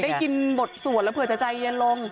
ได้ยินบทสวดแล้วเผื่อจะใจเย็นลง